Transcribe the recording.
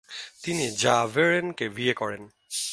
তিনি জাভেরবেনকে বিয়ে করেন ।